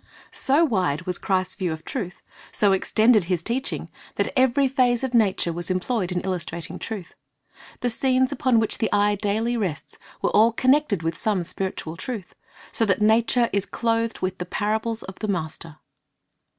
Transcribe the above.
'Matt. 5:28 33 20 C/iJ'ist's Object Lessons So wide was Christ's view of truth, so extended His teaching, that every phase of nature was employed in ilkistrating truth. The scenes upon which the eye daily rests were all connected with some spiritual truth, so that nature is clothed with the parables of the Master.